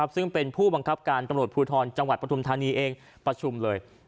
ซึ่งเป็นผู้บังคับการตำรวจภูทรจังหวัดปฐุมธานีเองประชุมเลย